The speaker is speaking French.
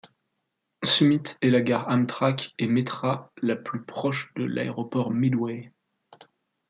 Summit est la gare Amtrak et Metra la plus proche de l'aéroport Midway.